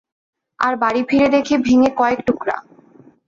আর বাড়ী ফিরে দেখি ভেঙ্গে কয়েক টুকরা।